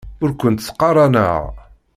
Ur kent-ttqaraneɣ.